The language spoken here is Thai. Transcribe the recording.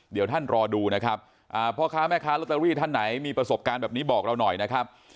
เดี๋ยวท่านรอดูนะครับพ่อค้าแม่ค้าลอตเตอรี่ท่านไหนมีประสบการณ์แบบนี้บอกเราหน่อยนะครับ